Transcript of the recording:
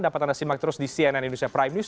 dapat anda simak terus di cnn indonesia prime news